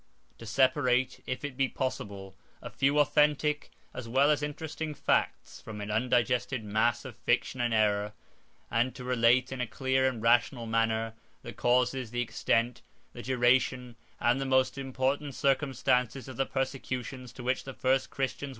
To separate (if it be possible) a few authentic as well as interesting facts from an undigested mass of fiction and error, and to relate, in a clear and rational manner, the causes, the extent, the duration, and the most important circumstances of the persecutions to which the first Christians were exposed, is the design of the present chapter.